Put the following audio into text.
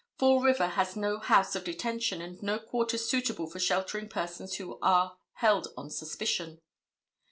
Fall River has no house of detention and no quarters suitable for sheltering persons who are held on suspicion.